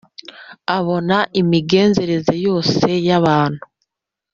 abona imigenzereze yose y’abantu,